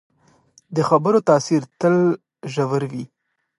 د خبرو تاثیر تل ژور وي